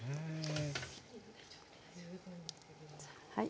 はい。